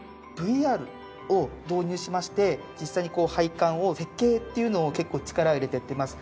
ＶＲを導入しまして実際にこう配管を設計っていうのを結構力を入れてやっています。